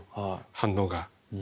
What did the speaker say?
反応が。